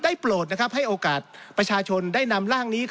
โปรดให้โอกาสประชาชนได้นำร่างนี้